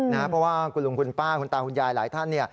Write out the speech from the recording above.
เพราะว่าคุณลุงคุณป้าคุณตาคุณยายหลายท่าน